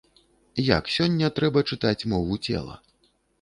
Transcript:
Як сёння трэба чытаць мову цела?